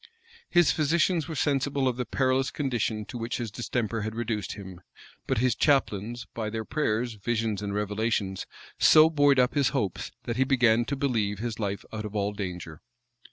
His physicians were sensible of the perilous condition to which his distemper had reduced him; but his chaplains, by their prayers, visions, and revelations, so buoyed up his hopes, that he began to believe his life out of all danger.